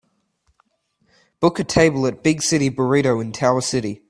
book a table at Big City Burrito in Tower City